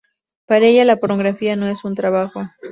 Para ella, "la pornografía no es un trabajo".